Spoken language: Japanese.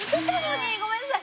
ごめんなさい。